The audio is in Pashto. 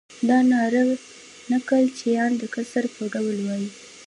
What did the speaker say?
دا ناره نکل چیان د کسر پر ډول وایي.